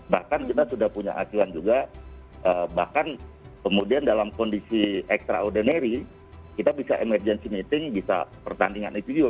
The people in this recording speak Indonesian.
bahkan kita sudah punya acuan juga bahkan kemudian dalam kondisi extraordinary kita bisa emergency meeting bisa pertandingan itu juga